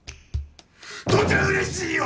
父ちゃんうれしいよ！